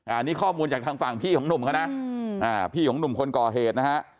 อันนี้ข้อมูลจากทางฝั่งพี่ของหนุ่มเขานะพี่ของหนุ่มคนก่อเหตุนะฮะ